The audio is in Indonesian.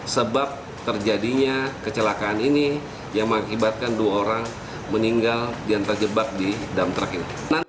sebab terjadinya kecelakaan ini yang mengibatkan dua orang meninggal dan terjebak di dam terakhir